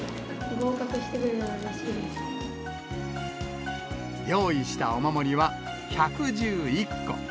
合格してくれたらうれしいで用意したお守りは１１１個。